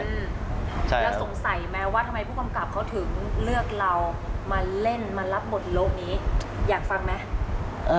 แล้วสงสัยไหมว่าทำไมผู้กำกับเขาถึงเลือกเรามาเล่นมารับบทโลกนี้อยากฟังไหม